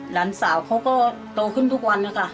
หลานสาวเขาก็โตขึ้นทุกวันนะคะ